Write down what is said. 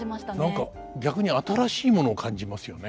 何か逆に新しいものを感じますよね